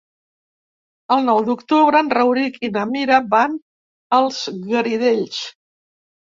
El nou d'octubre en Rauric i na Mira van als Garidells.